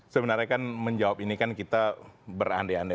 sebenarnya kan menjawab ini kan kita berande ande